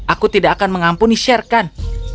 aku tidak akan mengampuni sherkan